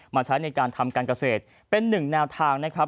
ใช้ในการทำการเกษตรเป็นหนึ่งแนวทางนะครับ